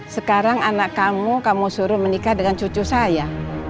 sekarang anak kamu kamu suruh menikah dengan cucu saya